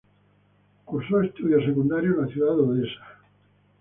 Cursó estudios secundarios en la ciudad de Odesa.